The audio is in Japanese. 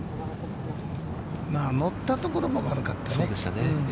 乗ったところが悪かったね。